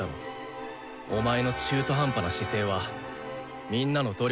お前の中途半端な姿勢はみんなの努力の邪魔をする。